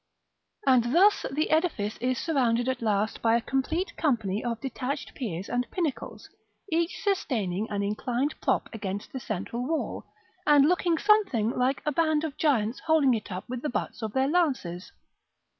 And thus the edifice is surrounded at last by a complete company of detached piers and pinnacles, each sustaining an inclined prop against the central wall, and looking something like a band of giants holding it up with the butts of their lances.